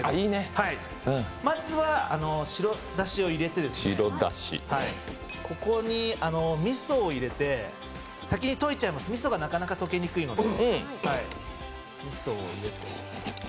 まずは白だしを入れてここにみそを入れて先にといちゃいます、みそがなかなか溶けにくいので。